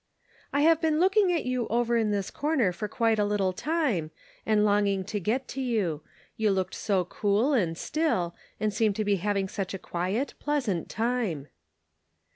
" I have been looking at you over in this corner for quite a little time, and longing to get to you. You looked so cool and still, and seemed to be having such a quiet, pleasant time."